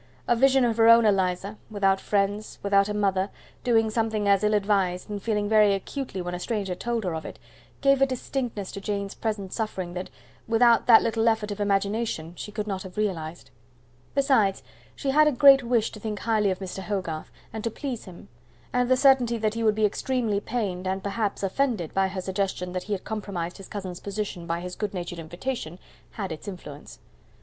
A vision of her own Eliza without friends without a mother doing something as ill advised, and feeling very acutely when a stranger told her of it, gave a distinctness to Jane's present suffering that, without that little effort of imagination, she could not have realized. Besides, she had a great wish to think highly of Mr. Hogarth, and to please him; and the certainty that he would be extremely pained and, perhaps, offended by her suggestion that he had compromised his cousin's position by his good natured invitation, had its influence.